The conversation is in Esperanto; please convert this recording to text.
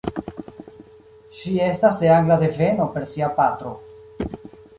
Ŝi estas de angla deveno per sia patro.